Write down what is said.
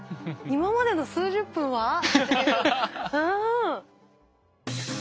今までの数十分は？